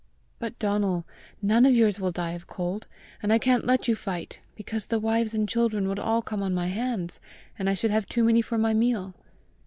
"But, Donal, none of yours will die of cold, and I can't let you fight, because the wives and children would all come on my hands, and I should have too many for my meal!